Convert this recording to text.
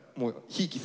いきます。